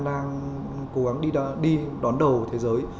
đang cố gắng đi đón đầu thế giới